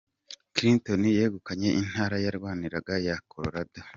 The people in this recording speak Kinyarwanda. Cliton yegukanye intara yarwanirwa ya Colorado.